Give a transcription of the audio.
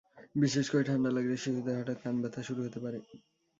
বিশেষ করে ঠান্ডা লাগলে শিশুদের হঠাৎ কান ব্যথা শুরু হতে পারে।